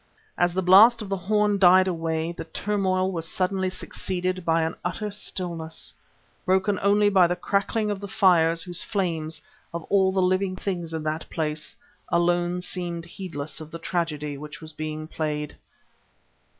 As the blast of the horn died away the turmoil was suddenly succeeded by an utter stillness, broken only by the crackling of the fires whose flames, of all the living things in that place, alone seemed heedless of the tragedy which was being played.